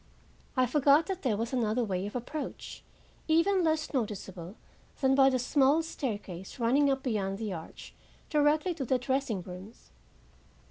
I forgot that there was another way of approach even less noticeable that by the small staircase running up beyond the arch directly to the dressing rooms.